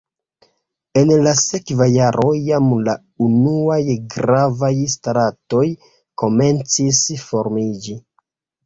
En la sekva jaro jam la unuaj gravaj stratoj komencis formiĝi.